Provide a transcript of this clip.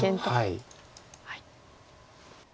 はい。